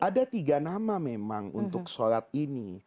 ada tiga nama memang untuk sholat ini